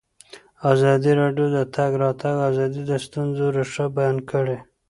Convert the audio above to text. ازادي راډیو د د تګ راتګ ازادي د ستونزو رېښه بیان کړې.